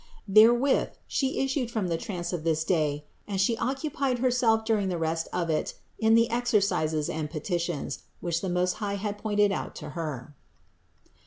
Therewith She issued from the trance of this day and She occupied Herself during the rest of it in the exercises and petitions, which the Most High had pointed out to Her.